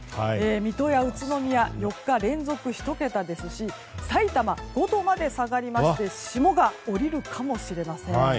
水戸や宇都宮４日連続の１桁ですしさいたま、５度まで下がって霜が降りるかもしれないです。